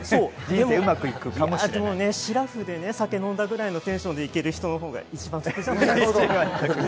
シラフで酒飲んだぐらいのテンションでいける人のほうがいいじゃないですか。